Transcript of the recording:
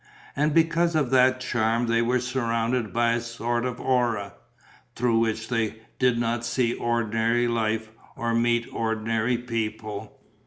And because of that charm they were surrounded by a sort of aura, through which they did not see ordinary life or meet ordinary people.